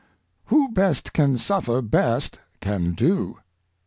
"Who best can suffer best can do."